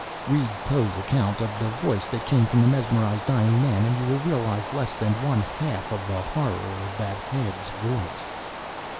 Read Poe's account of the voice that came from the mesmerized dying man, and you will realize less than one half of the horror of that head's voice.